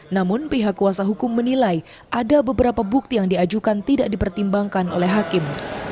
namun pihak kuasa hukum menilai ada beberapa bukti yang diajukan tidak dipertimbangkan oleh hakim